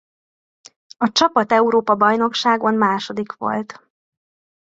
A csapat-Európa-bajnokságon második volt.